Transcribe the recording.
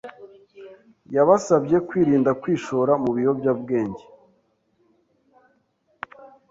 yabasabye kwirinda kwishora mu biyobyabwenge,